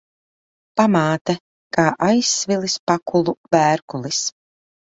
Pamāte kā aizsvilis pakulu vērkulis.